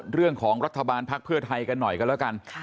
เรื่องของรัฐบาลภักดิ์เพื่อไทยกันหน่อยกันแล้วกัน